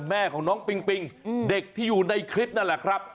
แม่ของน้องปิงปิงเด็กที่อยู่ในคลิปนั่นแหละครับ